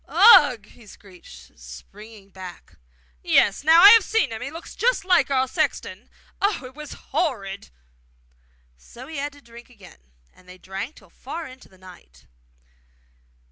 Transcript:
'Ugh!' he shrieked, springing back. 'Yes, now I have seen him; he looked just like our sexton. Oh, it was horrid!' So he had to drink again, and they drank till far on into the night.